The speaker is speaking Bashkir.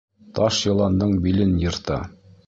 Таш йыландың билен йырта.